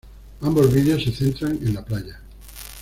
Ambos videos se centran en la playa.